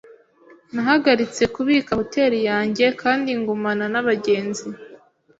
Nahagaritse kubika hoteri yanjye kandi ngumana nabagenzi.